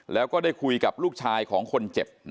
แล้วก็ได้คุยกับลูกชายของคนเจ็บ